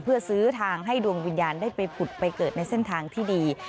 เพื่อซื้อทางให้ดวงวิญญาณได้ไปผุดไปเกิดในเส้นทางที่ดี